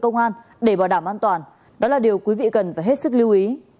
các đối tượng công an để bảo đảm an toàn đó là điều quý vị cần phải hết sức lưu ý